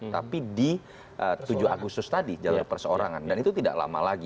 tapi di tujuh agustus tadi jalur perseorangan dan itu tidak lama lagi